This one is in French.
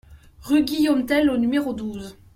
Rue Guillaume Tell au numéro douze